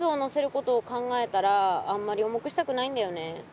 ことを考えたらあんまり重くしたくないんだよね。